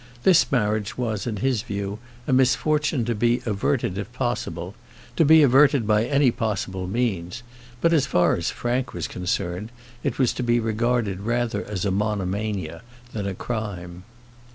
This marriage was, in his view, a misfortune to be averted if possible, to be averted by any possible means; but, as far as Frank was concerned, it was to be regarded rather as a monomania than a crime.